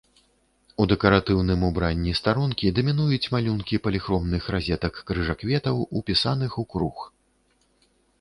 У дэкаратыўным убранні старонкі дамінуюць малюнкі паліхромных разетак-крыжакветаў, упісаных у круг.